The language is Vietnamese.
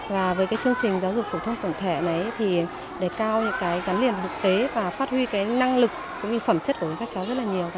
và với chương trình giáo dục phổ thông tổng thể này thì đầy cao những gắn liền thực tế và phát huy năng lực phẩm chất của các cháu rất là nhiều